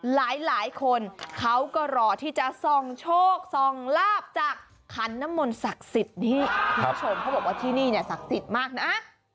หลายคนเขาก็รอที่จะส่องโชคส่องลาบจากขันน้ำมนต์ศักดิ์สิทธิ์นี้คุณผู้ชมเขาบอกว่าที่นี่เนี่ยศักดิ์สิทธิ์มากนะ